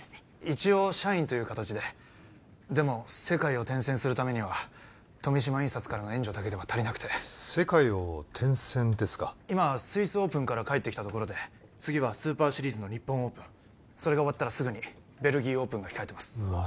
一応社員という形ででも世界を転戦するためには富島印刷からの援助だけでは足りなくて世界を転戦ですか今スイスオープンから帰ってきたところで次はスーパーシリーズの日本オープンそれが終わったらすぐにベルギーオープンが控えてますうわ